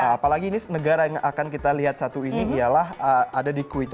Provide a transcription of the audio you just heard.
apalagi ini negara yang akan kita lihat satu ini ialah ada di quich